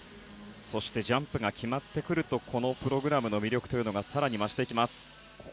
ジャンプが決まってくるとこのプログラムの魅力が更に増していきます。